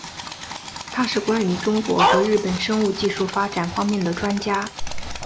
他是关于中国和日本生物技术发展方面的专家。